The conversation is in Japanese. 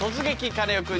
カネオくん」。